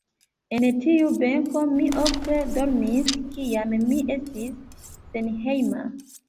En tiu benko mi ofte dormis kiam mi estis senhejma.